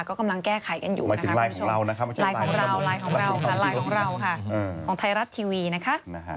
ก็กำลังแก้ไขกันอยู่นะคะมาถึงรายของเรานะคะรายของเรารายของเราค่ะของไทยรัฐทีวีนะคะ